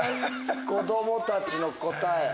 子供たちの答え。